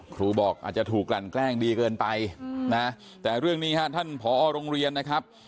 ครูบอกอาจจะถูกกลั่นแกล้งดีเกินไปนะแต่เรื่องนี้ฮะท่านผอโรงเรียนนะครับ